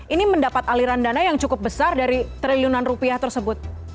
ini mendapat aliran dana yang cukup besar dari triliunan rupiah tersebut